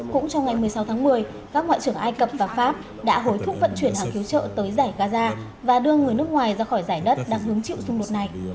cũng trong ngày một mươi sáu tháng một mươi các ngoại trưởng ai cập và pháp đã hối thúc vận chuyển hàng cứu trợ tới giải gaza và đưa người nước ngoài ra khỏi giải đất đang hứng chịu xung đột này